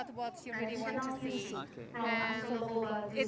dan saya berharap karya ini tidak akan hilang dengan cepat